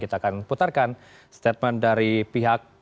kita akan putarkan statement dari pihak